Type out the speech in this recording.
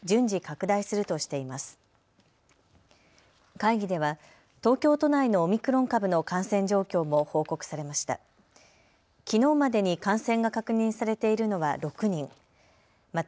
会議では東京都内のオミクロン株の感染状況も報告されました。